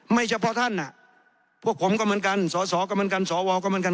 เฉพาะท่านพวกผมก็เหมือนกันสอสอก็เหมือนกันสวก็เหมือนกัน